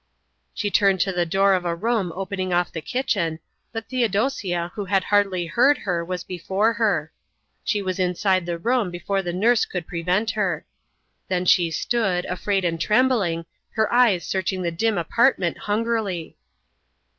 She turned to the door of a room opening off the kitchen, but Theodosia, who had hardly heard her, was before her. She was inside the room before the nurse could prevent her. Then she stood, afraid and trembling, her eyes searching the dim apartment hungrily.